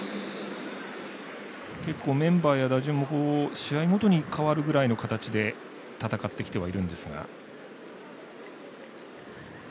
結構、メンバーや打順も試合ごとに変わるぐらいの形で戦ってきてはいるんですが。